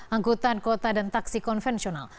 angkutan kota dan taksi konvensional